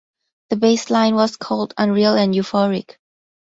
The bassline was called "unreal" and "euphoric".